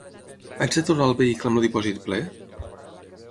Haig de tornar el vehicle amb el dipòsit ple?